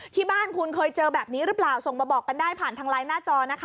ที่บ้านคุณเคยเจอแบบนี้หรือเปล่าส่งมาบอกกันได้ผ่านทางไลน์หน้าจอนะคะ